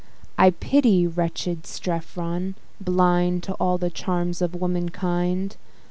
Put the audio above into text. I pity wretched Strephon, blind To all the charms of woman kind.